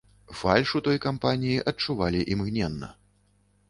Фальш у той кампаніі адчувалі імгненна.